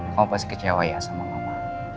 kamu pasti kecewa ya sama mama